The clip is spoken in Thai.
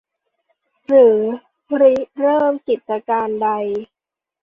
หรือริเริ่มกิจการใด